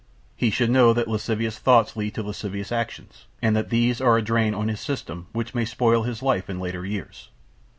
He should know that lascivious thoughts lead to lascivious actions, and that these are a drain on his system which may spoil his life in later years.